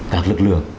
các lực lượng